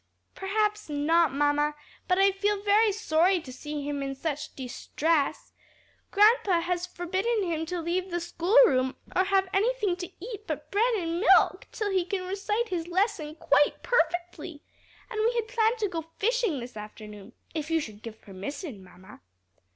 "Perhaps not, mamma; but I feel very sorry to see him in such distress. Grandpa has forbidden him to leave the school room or to have anything to eat but bread and milk till he can recite his lesson quite perfectly. And we had planned to go fishing this afternoon, if you should give permission, mamma."